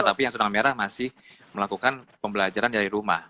tapi yang zona merah masih melakukan pembelajaran dari rumah